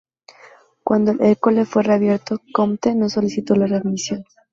Cuando el École fue reabierto, Comte no solicitó la readmisión.